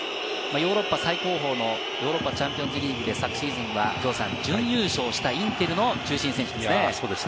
ヨーロッパ最高峰のヨーロッパチャンピオンズリーグで昨シーズンは準優勝したインテルの中心選手ですね。